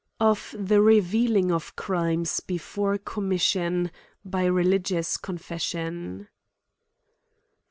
Of the revealing of crimes C^efore commission J hy religious confession.